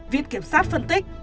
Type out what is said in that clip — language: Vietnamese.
viện kiểm soát phân tích